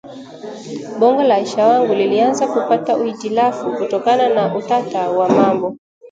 Bongo la Aisha wangu lilianza kupata hitilafu kutokana na utata wa mambo